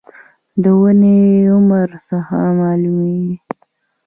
د ونې عمر څنګه معلومیږي؟